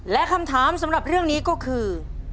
และคำถามสำหรับเรื่องนี้ก็คือ